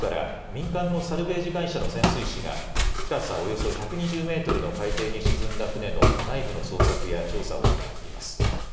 民間のサルベージ会社の潜水士が、深さおよそ１２０メートルの海底に沈んだ船の内部の捜索や調査を行っています。